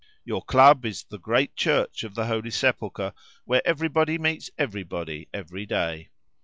Your club is the great Church of the Holy Sepulchre, where everybody meets everybody every day.